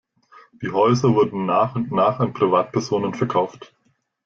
Die Häuser wurden nach und nach an Privatpersonen verkauft.